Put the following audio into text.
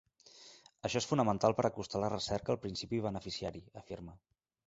Això és fonamental per acostar la recerca al principal beneficiari, afirma.